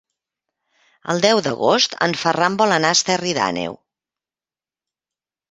El deu d'agost en Ferran vol anar a Esterri d'Àneu.